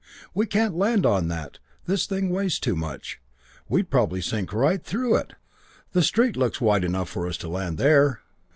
"We can't land on that this thing weighs too much we'd probably sink right through it! The street looks wide enough for us to land there."